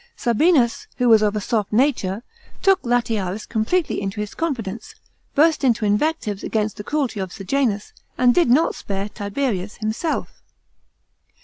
Sabinus, who was of a soft nature, took Latiaris completely into his confidence, burst into invectives against the cruelty of Sejanus, and did not spare Tiberius himself.